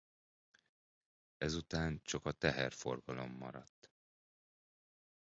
Ezután csak a teherforgalom maradt.